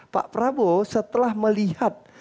pak prabowo setelah melihat